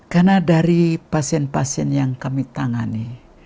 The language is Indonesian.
karena dari pasien pasien yang kami tangani